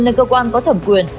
lên cơ quan có thẩm quyền